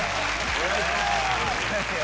お願いします。